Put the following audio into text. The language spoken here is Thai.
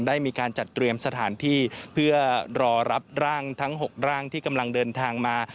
ได้มีการจัดเตรียมสถานที่เพื่อรอรับร่างทั้ง๖ร่างที่กำลังเดินทางมา